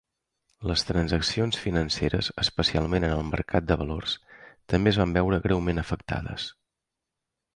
Les transaccions financeres, especialment en el mercat de valors, també es van veure greument afectades.